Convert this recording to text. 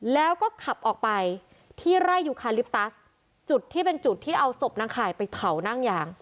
แล้วก็ขับออกไปที่ไร่ยูคาลิปตัสจุดที่เป็นจุดที่เอาศพนางข่ายไปเผานั่งยาง